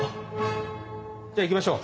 じゃあ行きましょう。